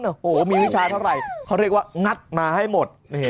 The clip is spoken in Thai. โอ้โหมีวิชาเท่าไหร่เขาเรียกว่างัดมาให้หมด